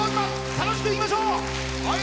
楽しくいきましょう！